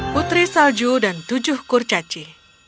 putri salju dan tujuh kurcaci